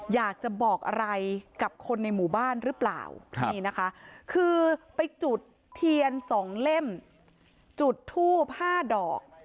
อยากจะบอกอะไรกับคนในหมู่บ้านหรือเปล่านี่นะคะคือไปจุดเทียนสองเล่มจุดทูบ๕ดอก